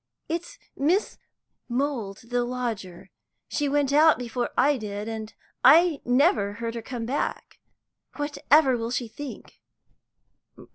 "It's Miss Mould, the lodger. She went out before I did, and I never heard her come back. Whatever will she think!"